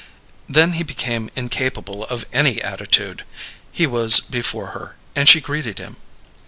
Then he became incapable of any attitude he was before her, and she greeted him.